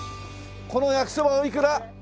この焼きそばおいくら？